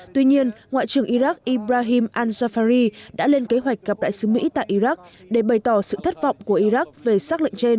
tuy nhiên ngoại trưởng iraq ibrahim anzafari đã lên kế hoạch gặp đại sứ mỹ tại iraq để bày tỏ sự thất vọng của iraq về xác lệnh trên